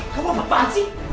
kau apaan sih